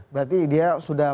berarti dia sudah